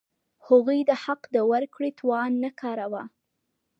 هغوی د حق د ورکړې توان نه کاراوه.